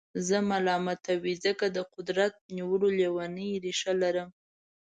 زه ملامتوئ ځکه د قدرت نیولو لېونۍ نېشه لرم.